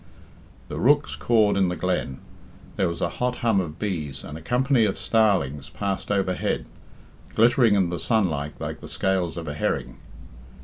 The rooks cawed in the glen, there was a hot hum of bees, and a company of starlings passed overhead, glittering in the sunlight like the scales of a herring.